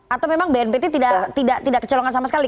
atau memang bnpt tidak kecolongan sama sekali